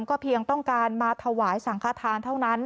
ก็เพียงต้องการมาถวายสังขทานเท่านั้น